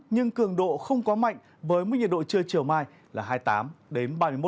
nhưng cường độ không quá mạnh với mức nhiệt độ trưa chiều mai là hai mươi tám ba mươi một độ